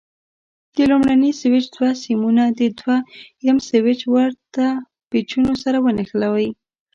د لومړني سویچ دوه سیمونه د دوه یم سویچ ورته پېچونو سره ونښلوئ.